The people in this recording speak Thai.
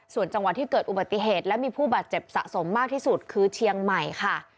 ส่วนจังหวัดที่เกิดอุบัติเหตุและมีผู้บาดเจ็บสะสมมากที่สุดคือเชียงใหม่ค่ะ